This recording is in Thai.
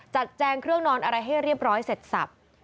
แจงเครื่องนอนอะไรให้เรียบร้อยเสร็จสับ